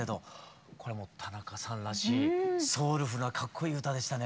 これも田中さんらしいソウルフルなかっこいい歌でしたね。